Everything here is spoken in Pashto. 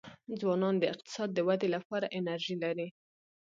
ځوانان د اقتصاد د ودي لپاره انرژي لري.